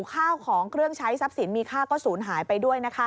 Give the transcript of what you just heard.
ข้าวของเครื่องใช้ทรัพย์สินมีข้าก็สูญหายไปด้วย